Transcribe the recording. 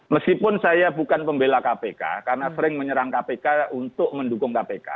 meskipun saya bukan pembela kpk karena sering menyerang kpk untuk mendukung kpk